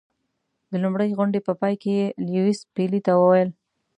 د لومړۍ غونډې په پای کې یې لیویس پیلي ته وویل.